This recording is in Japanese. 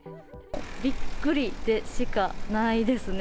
びっくりでしかないですね。